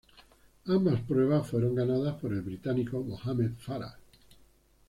Ambas pruebas fueron ganadas por el británico Mohamed Farah.